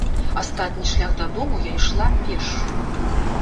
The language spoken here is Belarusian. Астатні шлях да дому я ішла пешшу.